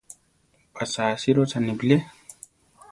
¿Pa cha asírochane bilé?